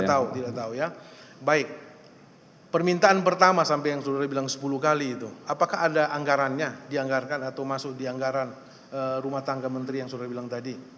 tahu tidak tahu ya baik permintaan pertama sampai yang saudara bilang sepuluh kali itu apakah ada anggarannya dianggarkan atau masuk di anggaran rumah tangga menteri yang sudah bilang tadi